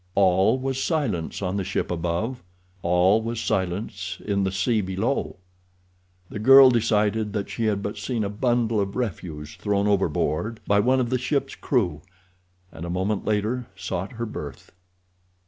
All was silence on the ship above—all was silence in the sea below. The girl decided that she had but seen a bundle of refuse thrown overboard by one of the ship's crew, and a moment later sought her berth.